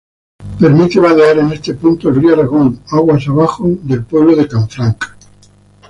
Permite vadear en este punto el río Aragón, aguas abajo del pueblo de Canfranc.